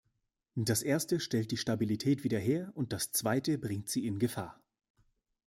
Das Erste stellt die Stabilität wieder her und das Zweite bringt sie in Gefahr.